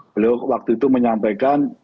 beliau waktu itu menyampaikan